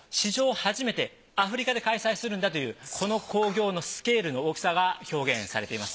初めてアフリカで開催するんだというこの興行のスケールの大きさが表現されています。